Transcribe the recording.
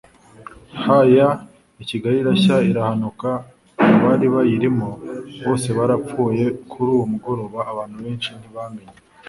ha y i kigali irashya irahanuka abari bayirimo bose barapfuye kuri uwo mugoroba abantu benshi ntibamenye